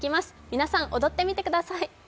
皆さん踊ってみてください。